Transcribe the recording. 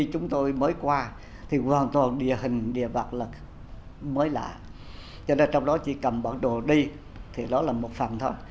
cho nên trong đó chỉ cầm bản đồ đi thì đó là một phần thôi